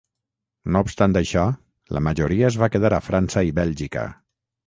No obstant això, la majoria es va quedar a França i Bèlgica.